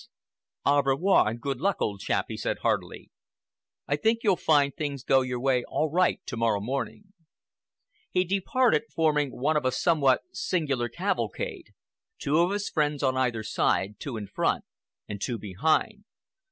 "Au revoir and good luck, old chap!" he said heartily. "I think you'll find things go your way all right to morrow morning." He departed, forming one of a somewhat singular cavalcade—two of his friends on either side, two in front, and two behind.